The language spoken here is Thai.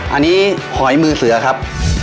อันนี้หอยมือเสือครับ